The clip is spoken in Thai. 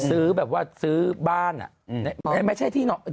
ซื้อแบบว่าซื้อบ้าน